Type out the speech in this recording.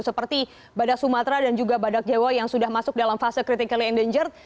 seperti badak sumatera dan juga badak jawa yang sudah masuk dalam fase critically engger